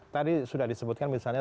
tadi sudah disebutkan misalnya